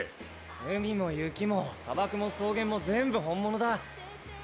海も雪も砂漠も草原も全部本物だ。